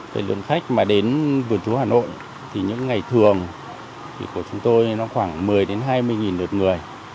về lượng khách mà đến vườn thú hà nội thì những ngày thường thì của chúng tôi nó khoảng một mươi đến hai mươi nghìn đợt người